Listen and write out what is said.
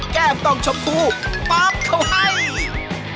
แก้มต้องชมพูปั๊บเขาให้